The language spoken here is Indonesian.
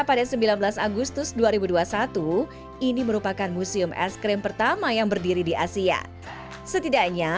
pada sembilan belas agustus dua ribu dua puluh satu ini merupakan museum es krim pertama yang berdiri di asia setidaknya